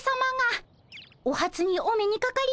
おはつにお目にかかります。